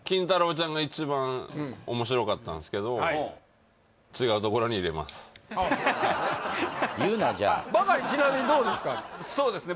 ちゃんが一番面白かったんですけど言うなじゃあバカリちなみにどうですかそうですね